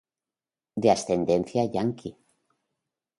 De ascendencia yaqui.